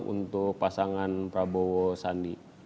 untuk pasangan prabowo sandi